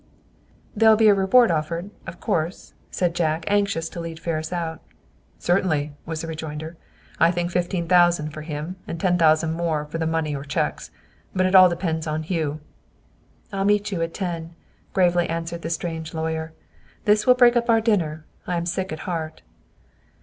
"There'll be a reward offered, of course," said Jack, anxious to lead Ferris out. "Certainly," was the rejoinder. "I think fifteen thousand for him, and ten more for the money or cheques. But all depends on Hugh!" "I'll meet you at ten," gravely answered the stranger lawyer. "This will break up our dinner, I am sick at heart."